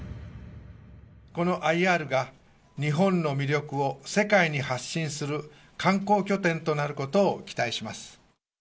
このＩＲが、日本の魅力を世界に発信する観光拠点となることを期待します。